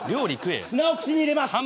砂を口に入れます。